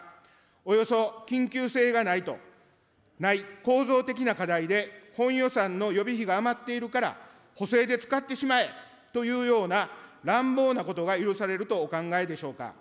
およそ緊急性がないと、ない構造的な課題で本予算の予備費が余っているから、補正で使ってしまえというような乱暴なことが許されるとお考えでしょうか。